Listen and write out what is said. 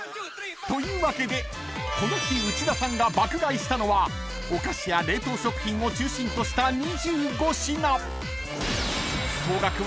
［というわけでこの日内田さんが爆買いしたのはお菓子や冷凍食品を中心とした２５品］